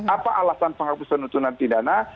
apa alasan penghapus penuntunan pidana